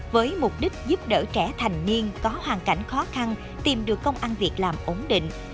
với mục đích giúp đỡ trẻ thành niên có hoàn cảnh khó khăn tìm được công ăn việc làm ổn định